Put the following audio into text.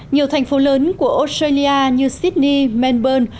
nhiều thành phố lớn của australia như sydney melbourne